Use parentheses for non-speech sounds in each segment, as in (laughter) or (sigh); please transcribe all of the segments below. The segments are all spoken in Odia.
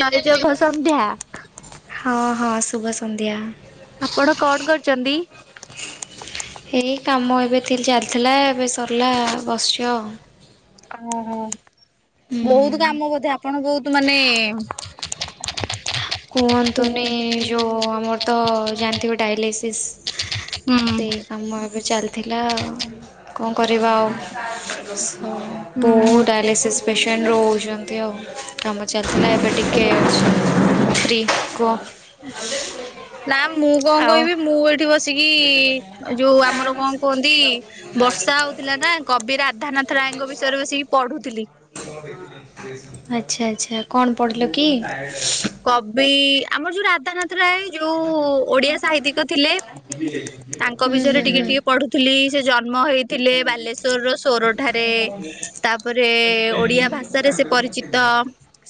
(unintelligible) ଶୁଭ ସନ୍ଧ୍ୟା। ହଁ ହଁ ଶୁଭ ସନ୍ଧ୍ୟା। ଆପଣ କଣ କରିଛନ୍ତି। ଏଇ କାମ ଏବେ ଟିକେ ଚାଲିଥିଲା ଏବେ ସରିଲା ବସିଚୁ ଆଉ। ଓହୋ ହୁଁ। ବହୁତ କାମ ବୋଧେ ଆପଣ ବହୁତ ମାନେ ହୁଁ ହୁଁ କୁହନ୍ତୁନି ଯୋଉ ହୁଁ। ଆମର ତ ଜାଣିଥିବ ଡାଇଲିସିସ୍ ସେଇ କାମ ଏବେ ଚାଲିଥିଲା ଆଉ। କଣ କରିବା ଆଉ ବହୁତ ଡାଇଲିସିସ୍ ପେସେଣ୍ଟ ରହୁଛନ୍ତି, କମ୍ ଚାଲିଥିଲା ଏବେ ଟିକେ (unintelligible) ପଖ୍ରୀ ହ ନା ମୁଁ କଣ ଆଉ କହିବି ମୁଁ ଏଇଠି ବସିକି ଯୋଉ ଆମର କଣ କୁହନ୍ତି ବର୍ଷା ହଉଥିଲା ନା କବି ରାଧାନାଥ ରାୟଙ୍କ ବିଷୟରେ ବସି ପଢୁଥିଲି। ଆଚ୍ଛା ଆଚ୍ଛା କଣ ପଢିଲ କି? କବି ଆମର ଯୋଉ ରାଧାନାଥ ରାୟ ଯୋଉ ଓଡିଆ ସାହିତ୍ୟିକ ଥିଲେ ତାଙ୍କ ହୁଁ ବିଷୟରେ ହୁଁ ଟିକେ ହୁଁ। ଟିକେ ପଢୁଥିଲି ସେ ଜନ୍ମ ହେଇଥିଲେ ବାଲେଶ୍ଵରର ସୋରଠାରେ। ତା ତାପରେ ଓଡ଼ିଆ ଭାଷାରେ ସେ ପରିଚିତ,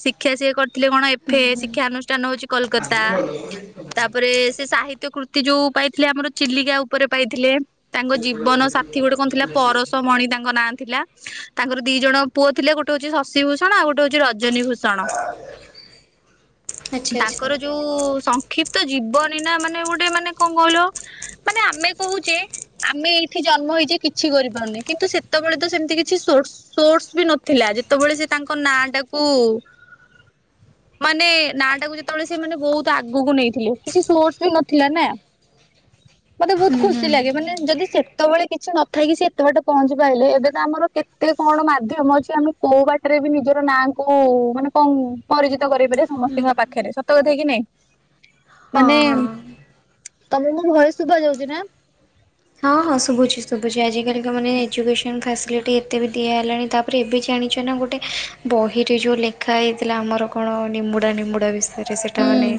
ସି ଶିକ୍ଷା ଶିକ କରିଥିଲେ କଣ ଏଫ ହୁଁ ହୁଁ ଶିକ୍ଷା ଅନୁଷ୍ଠାନ ହଉଛି କୋଲକାତା। ତାପ ତାପରେ ସେ ସାହିତ୍ୟ କୃତି ଯୋଉ ପାଇଥିଲେ, ଆମର ଚିଲିକା ଉପରେ ପାଇଥିଲେ। ତାଙ୍କ ଜୀବନ ସାଥୀ ଗୋଟେ କଣ ଥିଲା ପରସ ମଣି ତାଙ୍କ ନାଁ ଥିଲା। ତାଙ୍କର ଦି ଜଣ ପୁଅ ଥିଲେ, ଗୋଟେ ହଉଛି ଶଶି ଭୂଷଣ, ଆଉ ଗୋଟେ ହଉଛି ରଜନୀ ଭୂଷଣ। ଆଚ୍ଛା ଆଚ୍ଛା ତାଙ୍କର ଯୋଉ ସଂକ୍ଷିପ୍ତ ଜୀବନୀ ନା ମାନେ ଗୋଟେ ମାନେ କଣ କହିଲ ମାନେ ଆମେ କୋହୁ ଯେ ଆମେ ଏଇଠି ଜନ୍ମ ହେଇଯେ କିଛି କରିପାରୁନେ କିନ୍ତୁ ସେତେବେଳେ ତ ସେମିତି କିଛି ସୋର୍ସ ସୋର୍ସ ବି ନଥିଲା ଯେତେବେଳେ ସେ ତାଙ୍କ ନାଁ ଟାକୁ ମାନେ ନା ଟାକୁ ଯେତେବେଳେ ସେ ମାନେ ବହୁତ ଆଗକୁ ନେଇଥିଲେ କିଛି ସୋର୍ସ ବି ନଥିଲା ନା। ମତେ ବହୁତ ହୁଁ ଖୁସି ଲାଗେ, ମାନେ ଯଦି ସେତେବେଳେ କିଛି ନଥକି ସେ ଏତେ ବାଟ ପହଞ୍ଚି ପାରେ ଏବେ ତ ଆମର କେତେ କଣ ମାଧ୍ୟମ ଅଛି ଆମେ କୋଉ ବାଟ ରେ ବି ନିଜର ନାଁ କୁ ମାନେ କଣ ପରିଚିତ ସତ କରିପାରେ ସମସ୍ତଙ୍କ ପାଖରେ, ସତ କଥା କି ନାଇଁ? ହଁ ମାନେ ହଁ। ତମକୁ ମୁଁ ଘରେ ଶୁଭ ଯାଉଛି ନା? ହଁ ହଁ ଶୁଭୁଛି ଶୁଛି ଆଜିିକା ମାନେ ଏଜୁକସନ ଫସିଲ ଏ ଏତେ ବି ଦିଆ ହେଲାଣି ତାପରେ ଏବେ ଜାଣିଛ ନା ଗୋଟେ ବହିରେ ଯୋଉ ଲେଖା ହେଇଥିଲା ଆମର କଣ ନିମ୍ମୁଡ଼ା ନିମ୍ମୁଡ଼ା ବିଷୟରେ ଯେ ସେଇଟା ହୁଁ ମାନେ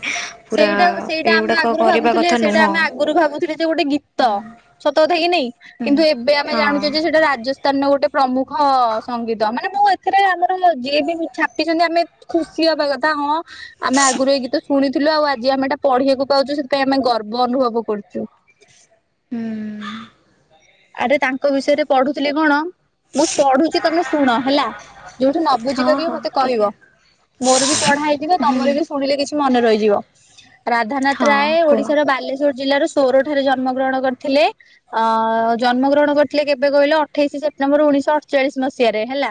ପୁରା ସେଇଟା ସେଇଟା ଆମେ ଏଇଗୁଡ଼ାକ ଆଗରୁ କରିବା ଭାବୁଥିଲେ କଥା ସେଇଟା ନୁହଁ। ଆମେ ଆଗରୁ ଭାବୁଥିଲେ ଗୋଟେ ଗୀତ ସତ କଥା କି ନାଇଁ ହୁଁ କିନ୍ତୁ ଏବେ ଆମେ ହଁ। ଜାଣୁଛେ ଯେ ସେଟା ରାଜ (unintelligible) ଗୋଟେ ପ୍ରମୁଖ ସଙ୍ଗୀତ। ମାନେ ମୁଁ ଏଥିରେ ଆମର ଯିଏ ବି ଛାପିଛନ୍ତି ଆମେ ଖୁସି ହବା କଥା ହଁ ଆମେ ଆ ଗୁରୁ ଏ ଗୀତ ଶୁଣି ଥିଲୁ। ଆଉ ଆଜି ଆମେ ଏଟା ପଢିବାକୁ ପାଉଚୁ। ସେଥିପାଇଁ ଆମେ ଗର୍ବ ଅନୁଭବ କରୁଚୁ। ହୁଁ। ଆରେ ତାଙ୍କ ବିଷୟରେ ପଢୁଥିଲେ କଣ ମୁଁ ପଢୁଚି ତମେ ଶୁଣ ହେଲା। ଯୋଉଠି ନ ହଁ ବୁଝିପାରିବ ହଁ ମତେ ଠିକ୍ କହିବ। ମୋର ବି ପଢା ହେଇଯିବ। ତମର ବି ଶୁଣିଲେ କିଛି ମନେ ରହିଯିବ। ରାଧାନାଥ ହଁ ରାୟ କୁହ। ଓଡିଶାର ବାଲେଶ୍ୱର ଜିଲ୍ଲାର ସୋର ଠାରେ ଜନ୍ମ ଗ୍ରହଣ କରିଥିଲେ। ଅ ଜନ୍ମ ଗ୍ରହଣ କରିଥିଲେ କେବେ କହିଲ ଅଠେଇଶି ସେପ୍ଟେମ୍ବର ଉଣେଇଶହ ଅଠଚାଳିଶି ମସିହାରେ ହେଲା।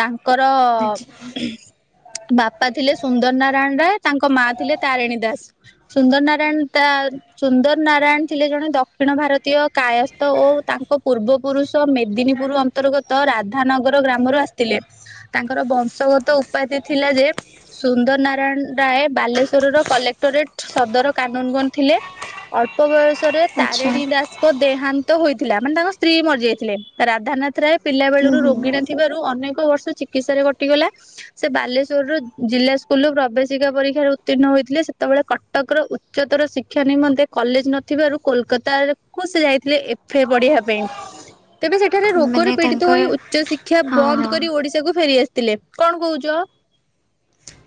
ତା ଙ୍କର ଆଚ୍ଛା ବାପା ଥିଲେ ସୁନ୍ଦର ନାରାୟଣ ରାୟ ତାଙ୍କ ମା ଥିଲେ ତାରିଣୀ ଦାସ୍। ସୁନ୍ଦର ନାରାୟଣ ତା ସୁନ୍ଦର ନାରାୟଣ ଥିଲେ ଜଣେ ଦକ୍ଷିଣ ଭାରତୀୟ କାୟସ୍ଥ ଓ ତାଙ୍କ ପୂର୍ବ ପୁରୁଷ ମେଦିନୀପୁରୁ ଅନ୍ତର୍ଗତ ରାଧାନଗର ଗ୍ରାମରୁ ଆସିଥିଲେ। ତାଙ୍କର ବଂଶଗତ ଉପାଧି ଥିଲା ଯେ ସୁନ୍ଦର ନାରାୟଣ ରାୟ ବାଲେଶ୍ଵର ର କଲେକ୍ଟୋରେଟ୍ ସଦର କାନୁନଗୋନ୍ ଥିଲେ। ଅଳ୍ପ ବୟସରେ ଆଚ୍ଛା ତାରିଣୀ ଦାସଙ୍କ ଦେହାନ୍ତ ହୋଇ ଥିଲା। ମାନେ ତାଙ୍କ ସ୍ତ୍ରୀ ମରିଯାଇଥିଲେ। ରାଧାନାଥ ରାୟ ପିଲା ହୁଁ ବେଳୁରୁ ହୁଁ ରୋଗୀଣା ଥି ଥିବାରୁ ଅନେକ ବର୍ଷ ଚିକିତ୍ସାରେ କଟିଗଲା। ସେ ବାଲେଶ୍ଵର ରୁ ଜିଲ୍ଲା ସ୍କୁଲ ରୁ ପ୍ରବେଶିକା ପରୀକ୍ଷାରେ ଉତ୍ତୀର୍ଣ ହୋଇଥିଲେ। ସେତେବେଳେ କ କଟକର ଉଚ୍ଚତର ଶିକ୍ଷା ନିମନ୍ତେ କଲେଜ୍ ନଥିବାରୁ କୋଲକତା କୁ ସେ ଯାଇଥିଲେ ଏ ଫେ ପଢିବା ପାଇଁ। ତେବେ ସେଠାରେ ମାନେ ରୋଗରେ ପୀଡିତ ତାଙ୍କର ହୋଇ ଉଚ୍ଚ ଶି ଶିକ୍ଷା ହଁ ବନ୍ଦ ହଁ। କରି ଓଡିଶା କୁ ଫେରି ଆସିଥିଲେ। କଣ କହୁଚ?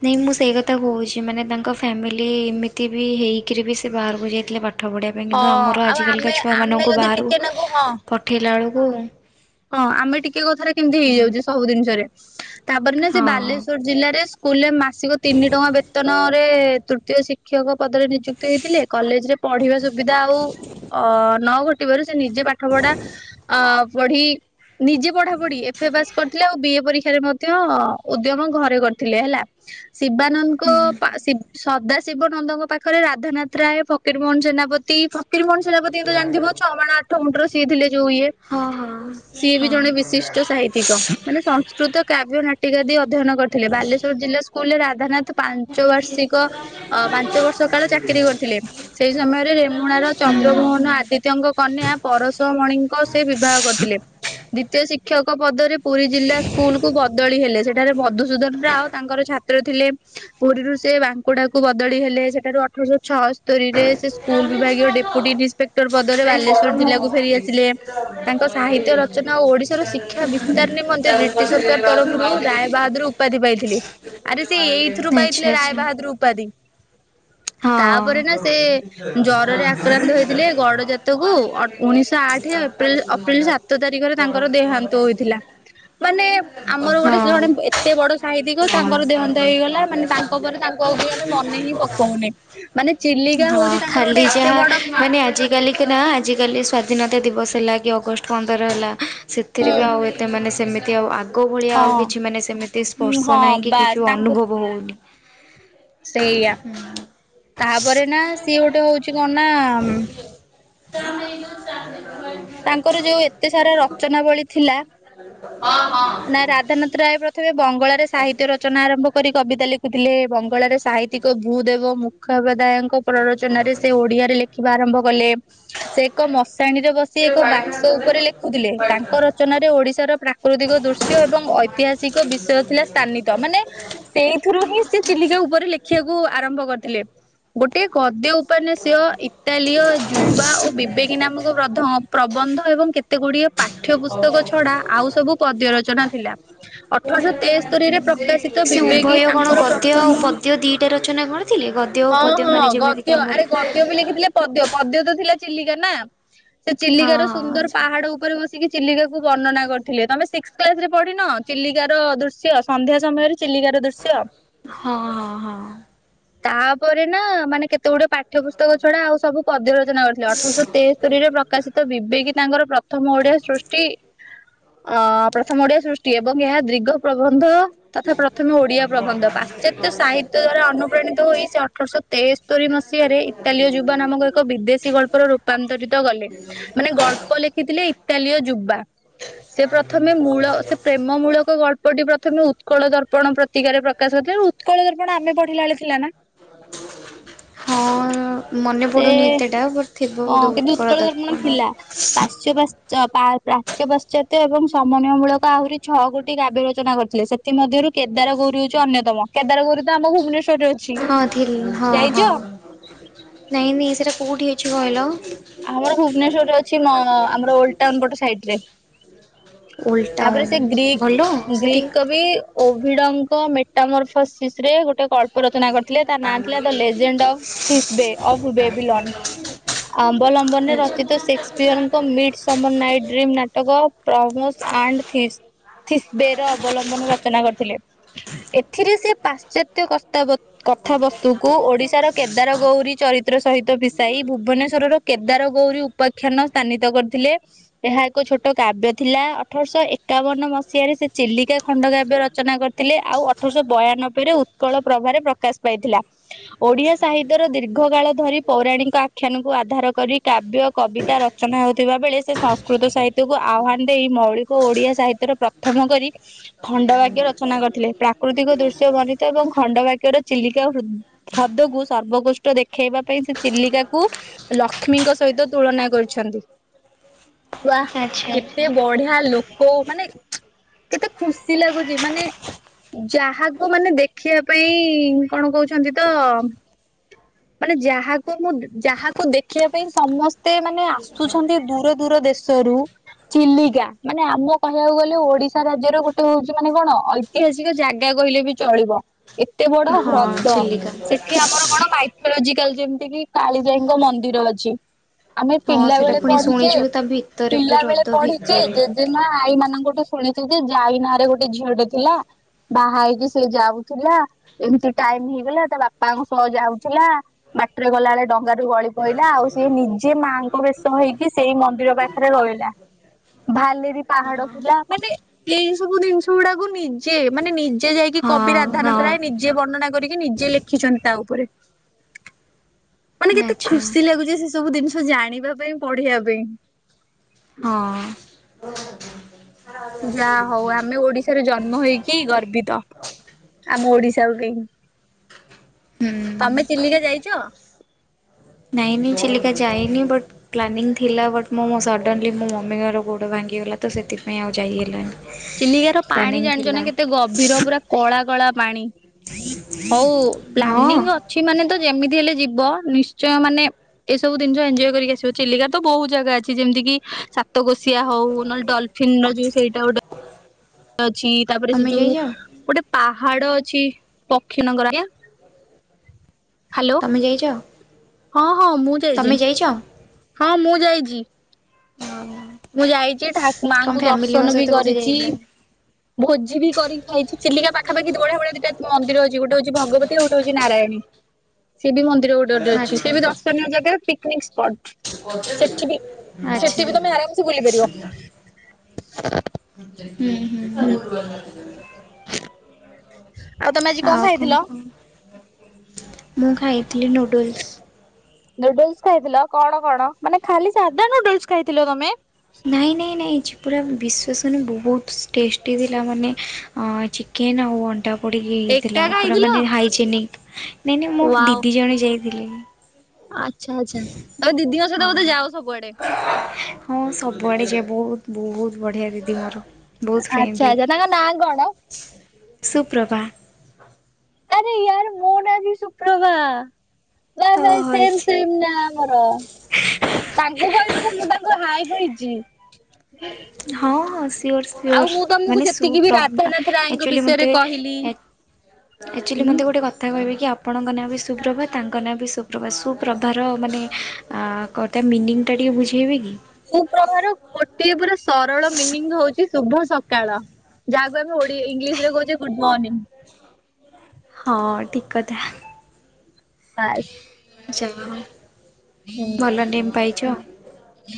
ନାଇଁ ମୁଁ ସେଇ କଥା କହୁଚି ମାନେ ତାଙ୍କ ଫ୍ୟାମିଲି ଏମିତି ବି ହେଇକିରି ବି ସେ ବାହାରକୁ ଯାଇଥିଲେ ପା ପାଠ ପଢ଼ିବା ପାଇଁ ହଁ କିନ୍ତୁ ଆମର ଆଉ ଆଜିକାଲିକା ଆମେ ଆମେ ଛୁଆମାନଙ୍କୁ ଯଦି ବାହାରକୁ ଟିକେ ନାକୁ ହଁ ପଠେଇଲା ବେଳକୁ ହଁ ଆମେ ଟିକେ କଥାରେ କେମିତି ହଁ ହେଇଯାଉଚେ ସବୁ ଜିନିଷରେ। ତାପରେ ନା ସେ ବାଲେଶ୍ୱର ହଁ ଜିଲ୍ଲାରେ ସ୍କୁଲରେ ମାସିକ ତିନି ଟଙ୍କା ବେତନ ରେ ତୃତୀୟ ଶିକ୍ଷକ ପଦରେ ନିଯୁକ୍ତି ହୋଇଥିଲେ। କଲେଜ ରେ ପଢିବା ସୁବିଧା ଆଉ ଅ ନ ଘଟିବାରୁ ସେ ନିଜେ ପାଠ ପଢା ଅ ପଢି ନିଜେ ପଢାପଢି ଏଫେ ପାସ୍ କରିଥିଲେ। ଆଉ ବି ଏ ପରୀକ୍ଷାରେ ମଧ୍ୟ ଉଦ୍ୟମ ଘରେ କରିଥିଲେ ହେଲା। ଶିବାନନ୍ଦଙ୍କ ପା ସି ସଦା ଶି ଶିବ ନନ୍ଦଙ୍କ ପାଖରେ ରାଧାନାଥ ରାୟ, ଫକୀରମୋହନ ସେନାପତି, ଫକୀରମୋହନ ସେନାପତି ଙ୍କୁ ତ ଜାଣିଥିବ ଛଅ ମାଣ ଆଠ ଗୁଣ୍ଠର ସିଏ ଥିଲେ ଯୋଉ ଇଏ। ଅ ହଁ। ସିଏ ବି ଜଣେ ହୁଁ। ବିଶିଷ୍ଟ ସାହିତ୍ୟିକ। ମାନେ ସଂସ୍କୃତ କାବ୍ୟ ନାଟିକା ଦେଇ ଅଧ୍ୟୟନ କରିଥିଲେ। ବାଲେଶ୍ୱର ଜିଲ୍ଲା ସ୍କୁଲରେ ରାଧାନାଥ ପାଞ୍ଚ ବାର୍ଷିକ ଅ ପାଞ୍ଚ ବର୍ଷ କାଳ ଚାକିରି କରିଥିଲେ। ସେଇ ସମୟରେ ରେମୁଣାର ଚନ୍ଦ୍ରମୋହନ ଆଦିତ୍ୟଙ୍କ କନ୍ୟା ପରଶମଣିଙ୍କୁ ସେ ବିବାହ କରିଥିଲେ। ଦ୍ଵିତୀୟ ଶିକ୍ଷକ ପଦରେ ପୁରୀ ଜିଲ୍ଲା ସ୍କୁଲ କୁ ବଦଳି ହେଲେ। ସେଠାରେ ମଧୁସୂଦନ ରାଓ ତାଙ୍କର ଛା ତ୍ର ଥିଲେ। ପୁରୀରୁ ସେ ବାଙ୍କୁଡାକୁ ବଦଳି ହେଲେ। ସେଠାରୁ ଅଠରଶ ଛଅସ୍ତରୀରେ ସେ ସ୍କୁଲ ବିଭାଗୀୟ ଡେପୁଟି ଇନ୍ସପେକ୍ଟର ପଦରେ ବାଲେଶ୍ୱର ଜିଲ୍ଲାକୁ ଫେରି ଆସିଲେ। ତାଙ୍କ ସାହିତ୍ୟ ର ରଚନା ଓ ଓଡିଶାର ଶିକ୍ଷା ବିସ୍ତାର ନିମନ୍ତେ ବ୍ରିଟିଶ ସରକାର ତରଫରୁ ରାୟବାହାଦୁର ଉପାଧି ପାଇଥିଲେ। ଆରେ ସେ ଏଇଥି ରୁ ପାଇଥିଲେ ଆଚ୍ଛା ଆଚ୍ଛା। ରାୟବାହାଦୁର ଉପାଧି। ହଁ ତାପରେ ନା ସେ ହଁ ଜରେ ଆକ୍ରାନ୍ତ ହୋଇଥିଲେ। ଗଡ ଜା ତ କୁ। ଅ ଉଣେଇଶହ ଆଠ ଏପ୍ରିଲ ଅପ୍ରିଲ ସା ତାରିଖରେ ତାଙ୍କର ଦେହାନ୍ତ ହୋଇଥିଲା। ମାନେ ଆମର ଗୋଟେ ଜଣେ ଏତେ ବଡ ସାହିତିକ ତାଙ୍କର ଦେହାନ୍ତ ହେଇଗଲା, ମାନେ ତାଙ୍କ ପରେ ତାଙ୍କୁ ଆଉ କିଏ ଆମେ ମନେ ହିଁ ପକଉନେ। ମାନେ ଚିଲିକା ହଉଚି ତାଙ୍କର ଗୋଟେ ଏତେ ବଡ କାଲିକି ନା ଆଜିକାଲି ସ୍ଵାଧୀନତା ଦିବସ ହେଲା କି ଅଗଷ୍ଟ ପନ୍ଦର ହେଲା ସେଥିରେ ହୁଁ ବି ଆଉ ଏତେ ମାନେ ସେମିତି ଆଉ ଆଗ। ଆଗ ଭଳିଆ ହଁ ଆଉ କିଛି ମାନେ ସେମିତି ହୁଁ ସ୍ପର୍ଶ ହଁ ନାହିଁ କି ବାସ୍ ଯୋଉ ତାଙ୍କୁ ଅନୁଭବ ହଉନି। ସେଇଆ ହୁଁ। ତାପରେ ନା ସିଏ ଗୋଟେ ହଉଛି କଣ ନା। (unintelligible) ତାଙ୍କର ଯୋଉ ଏତେ ସାରା ରଚନାବଳୀ ଥିଲା। ହଁ ହଁ। ନା ରାଧାନାଥ ରାୟ ପ୍ରଥମେ ବଙ୍ଗଳାରେ ସାହିତ୍ୟ ରଚନା ଆରମ୍ଭ କରି କବିତା ଲେଖୁଥିଲେ ବଙ୍ଗଳାରେ। ସାହିତ୍ୟିକ ଭୂଦେବ ମୁଖପଦାୟଙ୍କ ପ୍ରରଚନାରେ ସେ ଓଡିଆରେ ଲେଖିବା ଆରମ୍ଭ କଲେ। ସେ ଏକ ମଶାଣିରେ ବସି। ସେ ଏକ ବାକ୍ସ ଉପରେ ଲେଖୁଥିଲେ ତାଙ୍କ ରଚନାରେ ଓଡିଶାର ପ୍ରାକୃତିକ ଦୃଶ୍ୟ ଏବଂ। ଐତିହାସିକ ବିଷୟ ଥିଲା ସ୍ଥାନିତ ମାନେ। ସେଇଥିରୁ ହିଁ ସେ ଚିଲିକା ଉପରେ ଲେଖିବାକୁ ଆରମ୍ଭ କରିଥିଲେ। ଗୋଟେ ଗଦ୍ୟ ଉପନ୍ୟାସ ଇତାଲିୟ ଯୁବା ଓ। ଏବେ କିନା ଆମକୁ ପ୍ରଧ ପ୍ରବନ୍ଧ ଏବଂ କେତେ ଗୁଡିଏ ପା। ପାଠ୍ୟ ପୁସ୍ତକ ଛଡା ଆଉ ସବୁ ପଦ୍ୟ ରଚନା ଥିଲା ଅଠରଶହ ତେସ୍ତରିରେ ପ୍ରକାଶିତ। ସେ ବିବେକୀ ଉଭୟ କଣ ତାଙ୍କର ଗଦ୍ୟ ପ୍ରଥମ ଆଉ ପଦ୍ୟ ଦିଟା ରଚନା କରିଥିଲେ ଗଦ୍ୟ ଓ ହଁ ପଦ୍ୟ ହଁ ମାନେ ଯେମିତି। ଗଦ୍ୟ ଆରେ ଗଦ୍ୟ ବି ଲେଖିଥିଲେ ପଦ୍ୟ ପଦ୍ୟ ତ ଥିଲା ଚିଲିକା ନା। ସେ ହଁ ଚିଲିକାର ସୁନ୍ଦର ଆଚ୍ଛା ପାହାଡ ଉପରେ ବସି। ସିକି ଚିଲିକାକୁ ବର୍ଣ୍ଣନା କରିଥିଲେ ତମେ ସିକ୍ଥ କ୍ଲାସରେ ପଢିନ ଚିଲିକାର ଦୃଶ୍ୟ ସନ୍ଧ୍ୟା ସମୟରେ ଚିଲିକାର ଦୃଶ୍ୟ। ହଁ ହଁ ହଁ। ତାପରେ ନା ମାନେ କେତେ ଗୁଡା ପାଠ୍ୟ ପୁସ୍ତକ ଛଡା ଆଉ ସବୁ ପଦ୍ୟର। କରିଥିଲେ ଅଠରଶହ ତେସ୍ତରିୀରେ ପ୍ରକାଶିତ ବିବେକୀ ତାଙ୍କର ପ୍ରଥମ ଓଡିଆ ସୃଷ୍ଟି। ଅ ପ୍ରଥମ ଓଡିଆ ସୃଷ୍ଟି ଏବଂ ଏହା ଦୀର୍ଘ ପ୍ରବନ୍ଧ। ତଥା ପ୍ରଥମେ ଓଡିଆ ପ୍ରବନ୍ଧ ପାଶ୍ଚାତ୍ୟ ସାହିତ୍ୟ ଦ୍ଵାରା ଅନୁପ୍ରାଣିତ ହୋଇ ସେ ଅଠରଶହ। ତେସ୍ତୋରି ମସିହାରେ ଇଟଲୀୟ ଯୁବ ନାମକ ଏକ ବିଦେଶୀ ଗଳ୍ପର ରୂପାନ୍ତରିତ କଲେ। ମାନେ ଗଳ୍ପ ଲେଖିଥିଲେ ଇଟାଲୀୟ ଯୁବା‌। ସେ ପ୍ରଥମେ ମୂଳ ସେ ପ୍ରେମ ମୂଳକ ଗଳ୍ପ। ଟି ପ୍ରଥମେ ଉତ୍କଳ ଦର୍ପଣ ପ୍ରତିକାରେ ପ୍ରକାଶ। ଉତ୍କଳ ଦର୍ପଣ ଆମେ ପଢିଲାବେଳେ ଥିଲା ନା। ହଁ ମନେ ସେ ପଡୁନି ଏତେଟା ବଟ୍। ହଁ କିନ୍ତୁ ଉତ୍କଳ ଦର୍ପଣ ଥିଲା ପାଶ୍ଚ। ପ୍ରାଚ୍ୟ ପାଶ୍ଚାତ୍ୟ ଏବଂ ସମନ୍ୱୟ ମୂଳକ ଆହୁରି ଛଅ ଗୋଟି କାବ୍ୟ ରଚନା କରିଥିଲେ ସେ। ଏଥିମଧ୍ୟରୁ କେଦାରଗୌରି ହଉଛି ଅନ୍ୟତମ କେଦାରଗୌରୀ ତ ଆମ ଭୁବନେଶ୍ୱରରେ। ଅଛି। ହଁ ଥିଲ ହଁ ଯାଇଛ? ହଁ ନାଇଁ ନାଇଁ ସେଇଟା କୋଉଠି ଅଛି କହିଲ। ଆମର ଭୁବନେଶ୍ୱରରେ ଅଛି ଆମର ଓଲଡଟାଉନ ପଟ ସାଇଡରେ। ଓଲ୍ଡ ତାପରେ ଟାଉନ ସେ ଗ୍ରୀିକ୍ ଭଲ ସେଠି ଗ୍ରୀିକ୍ କବି। ଓଭିଡଙ୍କ ମେଟାମରଫସିସ୍ ରେ ଗୋଟେ ଗ। ଗଳ୍ପ ରଚନା କରିଥିଲେ ତାର ନାଁ ଥିଲା ଦ ଲେଜେଣ୍ଡ ଅଫ୍ ଥିସ୍ ବେ ଅଫ୍ ବେବିଲନ୍। ଅବଲମ୍ବନରେ ଆଚ୍ଛା ରଚିତ Shakespeare midsummer night dream ନାଟକ ପ୍ରମୋସ ଆଣ୍ଡ ଥେସ୍। ଥିସବେର ଅବଲମ୍ବନ ରଚନା କରିଥିଲେ ଏଥିରେ ସେ ପାଶ୍ଚାତ୍ୟ କସ୍ତାବ। କଥାବସ୍ତୁକୁ ଓଡିଶାର କେଦାରଗୌରୀ ଚରିତ୍ର ସହିତ ମିଶାଇ ଭୁବନେ। ଶ୍ୱର କେଦାରଗୌରୀ ଉପାଖ୍ୟାନ ସ୍ଥାନିତ କରିଥିଲେ। ଏହା ଏକ ଛୋଟ କାବ୍ୟ ଥିଲା ଅଠରଶହ ଏକାବନ ମସିହାରେ ସେ ଚିଲିକା ଖଣ୍ଡ କାବ୍ୟ ରଚନା କରି। ଥିଲେ ଆଉ ଅଠରଶହ ବୟାନବେ ରେ ଉତ୍କଳ ପ୍ରଭାବରେ ପ୍ରକାଶ ପାଇଥିଲା। ଓଡିଆ ସାହିତ୍ୟର ଦୀର୍ଘ କାଳ ଧରି ପୌରାଣିକ ଆଖ୍ୟାନକୁ ଆଧାର କରି। କାବ୍ୟ କବିତା ରଚନା ହେଉଥିବା ବେଳେ ସେ ସଂସ୍କୃତ ସାହିତ୍ୟକୁ ଆହ୍ୱାନ ଦେଇ। ମୌଳିକ ଓଡିଆ ସାହିତ୍ୟର ପ୍ର। ପ୍ରଥମ କରି ଖଣ୍ଡ ବାକ୍ୟ ରଚନା କରିଥିଲେ ପ୍ରାକୃତିକ ଦୃଶ୍ୟ ବର୍ଣ୍ଣିତ ଏବଂ ଖଣ୍ଡ ବାକ୍ୟର। ଚିଲିକା ହୁ ହ୍ରଦକୁ ସର୍ବକୃଷ୍ଟ ଦେଖେଇବା ପାଇଁ ସେ ଚିଲିକାକୁ। ଲକ୍ଷ୍ମୀଙ୍କ ସହିତ ତୁଳନା କରିଛନ୍ତି। ୱା ଆଚ୍ଛା କେତେ ବଢିଆ ଲୋକ ମାନେ କେତେ ଖୁସି ଲାଗୁଚି ମାନେ ଯାହାକୁ ମାନେ ଦେଖିବା ପାଇଁ କଣ କହୁଛନ୍ତି ତ ମାନେ ଯାହାକୁ ମୁଁ ଯାହା କୁ ଦେଖିବା ପାଇଁ ସମସ୍ତେ ମାନେ ଆସୁଛନ୍ତି, ଦୂର ଦୂର ଦେଶରୁ ଚିଲିକା। ମାନେ ଆମ କହିଆକୁ ଗଲେ ଓଡିଶା ରାଜ୍ୟର ଗୋଟେ ହଉଛି ମାନେ କଣ ଐ ଐତିହାସିକ ଜାଗା କହିଲେ ବି ଚଳିବ। ଏତେ ବଡ ହଁ ହ୍ରଦ। ଚିଲିକା। ସେଠି ଆମର କଣ ମାଇଥଲୋଜିକାଲ ଯେମତି କି କାଳିଜାଇ ଙ୍କ ମନ୍ଦିର ଅଛି। ଆମେ ହଁ ସେଇଟା ପିଲାବେଳେ ପୁଣି ପଢିଚେ, ଶୁଣିଛୁ ତା ଭିତରେ ପୁରା ପିଲାବେଳେ ହ୍ରଦ ପଢିଛେ ଭିତରେ। ଜେଜେ ମା, ଆଈମାନଙ୍କଠୁ ଶୁଣିଛୁ ଯେ, ଜାଇ ନାଁରେ ଗୋଟେ ଝିଅଟେ ଥିଲା ବାହାହେଇକି ସେ ଯାଉଥିଲା ଏମତି ଟାଇମ୍ ହେଇଗଲା, ତା ବାପାଙ୍କ ସହ ଯାଉଥିଲା। ବାଟରେ ଗଲାବେଳେ ଡଙ୍ଗା ରୁ ଗଳି ପଇଲା ଆଉ ସିଏ ନିଜେ ମାଆଙ୍କ ବେଶ ହେଇକି ସେଇ ମନ୍ଦିର ପାଖରେ ରହିଲା। ଭାଲେରି ହଁ ପାହାଡ ଥିଲା ସେଠି ଏଇ ସବୁ ଦିନିଷ ଗୁଡାକୁ ନିଜେ, ମାନେ ନିଜେ ଯାଇକି ହଁ କବି ରାଧାନାଥ ରାୟ ନିଜେ ବର୍ଣ୍ଣନା କରିକି, ନିଜେ ଲେଖ ଲେଖିଛନ୍ତି ତା ଉପରେ। ମାନେ କେତେ ଆଚ୍ଛା ଖୁସି ଲାଗୁଛି ଯେ, ସେସବୁ ଜିନିଷ ଜାଣିବା ପାଇଁ, ପଢିବା ପାଇଁ। ହଁ। ଯାହା ହଉ ଆମେ ଓଡିଶାରେ ଜନ୍ମ ହେଇକି ଗର୍ବିତ। ଆମ ଓଡିଶା ପାଇଁ। ହୁଁ ତମେ ଚିଲିକା ଯାଇଚ? ନାଇଁ ନାଇଁ, ଚିଲିକା ଯାଇନି ବଟ୍ ପ୍ଲାନିଂ ଥିଲା ବଟ୍ ମୁଁ ମୋ ସଡନଲି ମୋ ମମିଙ୍କର ଗୋଡ ଭାଙ୍ଗିଗଲା ତ ସେଥିପାଇଁ ଆଉ ଯାଇ ହେଲାନି। ଚିଲିକାର ପାଣି ପ୍ଲାନିଂ ଜାଣିଛ ଥିଲା ନା କେତେ ଗଭୀର, ପୁରା କଳା କଳା ପାଣି। ହଉ ହଁ ପ୍ଲାନିଂ ଅଛି ମାନେ ତ ଯେମିତି ହେଲେ ଯିବ, ନିଶ୍ଚୟ ମାନେ ଏସବୁ ଦିନିଷ ଏଞ୍ଜୟ କରିକି ଆସିବ। ଚିଲିକା ତ ବହୁତ ଜାଗା ଅଛି, ଯେମତିକିି ସାତକୋଶିଆ ହଉ, ନହେଲେ ଡଲଫ ଫିନର ଯୋଉ ସେଇଟା ଗୋଟେ ଅଛି, ତାପରେ ସେ ତମେ ଯୋଉ ଯାଇଛ ଗୋଟେ ପାହାଡ ଅଛି, ପକ୍ଷୀ ନଗର ଆଜ୍ଞା, ହାଲୋ ତମେ ଯାଇଚ? ହଁ ହଁ, ମୁଁ ଯାଇଚି। ଯାଇଛ? ହଁ, ମୁଁ ଯାଇଚି। ହଁ। ମୁଁ ଯାଇଚି, ଠାକୁ ମାଙ୍କୁ ଦର୍ଶନ ବି ବୋଧେ କରିଚି। ଯାଇଥିଲ? ଭୋଜି ବି କରି ଖାଇଛି। ଚିଲିକା ପାଖାପାଖି ବଢ଼ିଆ ବଢ଼ିଆ ଦିଟା ମନ୍ଦିର ଅଛି। ଗୋଟେ ହଉଛି ଭଗବତୀ ଆଉ ଗୋଟେ ହଉଚି ନାରାୟଣୀ। ସିଏ ବି ମନ୍ଦିର ଗୋଟେ ଗୋଟେ ଅଛି। ଆଚ୍ଛା ସିଏ ବି ଦର୍ଶନୀୟ ଜାଗା ପିକନିକ ସ୍ପଟ। ସେଠି ବି ସେଠି ବି ତମେ ଆଚ୍ଛା। ଆରାମସେ ବୁଲି ପାରିବ ହୁଁ ହୁଁ। ଆଉ ତମେ ଆଜି ଆଉ ଖାଇଥିଲ? କଣ କୁହ? ମୁଁ ଖାଇଥିଲି ନୁଡୁଲ୍ସ। ନୁଡୁଲ୍ସ ଖାଇଥିଲ, କଣ କଣ? ମାନେ ଖାଲି ସାଧା ନୁଡୁଲ୍ସ ଖାଇଥିଲ ତମେ? ନାଇଁ, ନାଇଁ, ନାଇଁ, ଆଜି ପୁରା ବିଶ୍ୱାସ ହଉନି ବହୁତ ଟେଷ୍ଟି ଥିଲା ମାନେ ଅ ଚିକେନ୍ ଆଉ ଅ ଅଣ୍ଡା ପଡ଼ିକି ଏକା ହେଇଥିଲା, ପୁରା ଖାଇଥିଲ ମାନେ ହାଇଜେନିକ୍। ନାଇଁ ନାଇଁ, ମୋ ୱାଓ ଦିଦି ଜଣେ ଯାଇଥିଲେ। ଆଚ୍ଛା ଆଚ୍ଛା। ତମେ ଦିଦିଙ୍କ ସହିତ ହଁ ବୋଧେ ଯାଅ ସବୁଆଡେ? ହଁ, ସବୁଆଡ଼େ ଯାଏ। ବହୁତ ବହୁତ ବଢ଼ିଆ ଦିଦି ମୋର, ବହୁତ ଆଚ୍ଛା ଫ୍ରେଣ୍ଡଲି। ଆଚ୍ଛା ତାଙ୍କ ନାଁ କଣ? ସୁୁପ୍ରଭା। ଆରେ ୟାର ମୋ ନାଁ ବି ସୁୁପ୍ରଭା। ନାଇଁ ନାଇଁ, ହଁ ସେମ୍ ସେମ୍ ନାଁ। ଆମର। ତାଙ୍କୁ କହିଦବୁ ମୁଁ ତାଙ୍କୁ ହାଇ କହିଚି। ହଁ ହଁ, ସିଓର୍, ସିଓର୍। ମାନେ ଯେତିକି ବି ସୁପ୍ରଭା, ରାଧାନାଥ ରାୟଙ୍କ ଆକ୍ଚୁଆଲି ବିଷୟରେ ମୋତେ କହିଲି ଆକ୍ଚୁଆଲି ଉଁ ମତେ ଗୋଟେ କଥ କଥା କହିବେ କି ଆପଣଙ୍କ ନାଁ ବି ସୁପ୍ରଭା, ତାଙ୍କ ନାଁ ବି ସୁପ୍ରଭା। ସୁପ୍ରଭାର ମାନେ ଆ କଥା ମିନିଙ୍ଗଟା ଟିକିଏ ବୁଝେଇବେ କି ସୁପ୍ରଭ ଗୋଟିଏ ପୁରା ସରଳ ମିନିଙ୍ଗ ହଉଛି ଶୁଭ ସକାଳ ଯାହାକୁ ଆମେ ଓଡି ଇଂଲିଶ ରେ କହୁଛେ ଗୁଡ୍ ମର୍ଣ୍ଣିଂ ହଁ ଠିକ୍ କଥା। (unintelligible) ଯାହା ହଉ ହ ଭଲ ନେମ୍ ପାଇଛ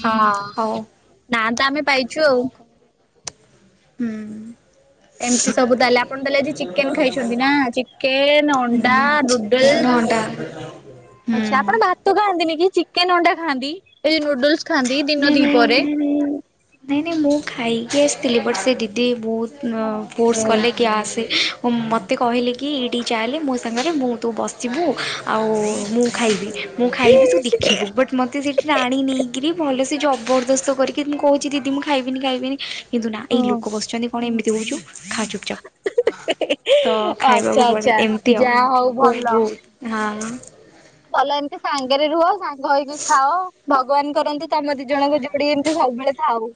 ହଁ ହଉ। ନା ତ ଆମେ ପାଇଛୁ ଆଉ ହୁଁ ଏମିତି ସବୁ ତାହେଲେ ଆପଣ ହୁଁ ତାହେଲେ ଆଜି ଚିକେନ ଖାଇଛନ୍ତି କେ ନା ଚିକେନ (unintelligible) ଅଣ୍ଡା କଟ ନୁଡଲସ। (unintelligible) ଆଚ୍ଛା ଆପଣ ଭାତ ଖାଆନ୍ତିନି କି ଚିକେନ ଅଣ୍ଡା ଖାଆନ୍ତି ଏଇଉ ନୁଡୁଲସ ଖାଆନ୍ତି ଦିନ ନାଇଁ ଦି ପରେ ନାଇଁ ନାଇଁ ନାଇଁ ମୁଁ ଖାଇକି ଆସିଥିଲି ବଟ୍ ସେ ଦିଦି ବହୁତ ଫୋର୍ସ ହୁଁ। କଲେ କି ଆସେ ମୋତେ କହିଲେ କି ଏଇଠିକି ଚାଁଲେ ମୋ ସାଙ୍ଗରେ ମୁଁ ତୁ ବସିବୁ ଆଉ ମୁଁ ଖାଇବି ମୁଁ ଖାଇବି ତୁ ଦେଖିବୁ ବଟ୍ ମୋତେ ସେଇଠି ଆଣିନି ଭଲ ସେ ଜବରଦସ୍ତ କରିକି ମୁଁ କହୁଛି ଦିଦି ମୁଁ ଖାଇବିନି ଖାଇବିନି କିନ୍ତୁ ନା ଏଇ ଲୋକ ବସିଛନ୍ତି କଣ ଏମିତି କହୁଛୁ ଉ ଖାଉଚୁପଚପ ତ ଆଚ୍ଛା ଖାଇବାକୁ ପଡେ ଆଚ୍ଛା ଏମିତି ଆଉ ଯାହା ହଉ ବହୁତ ଭଲ। ବହୁତ ହହଁ ଭଲ ଏମିତି ସାଙ୍ଗରେ ରୁହ ସାଙ୍ଗ ହେଇକି ଖାଅ ଭଗବାନ କରନ୍ତି। ତମେ ଦି ଜଣଙ୍କ ଯୋଡି ଏମିତି ସବୁବେଳେ ଥାଉ।